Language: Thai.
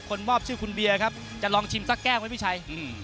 มอบชื่อคุณเบียร์ครับจะลองชิมสักแก้วไหมพี่ชัย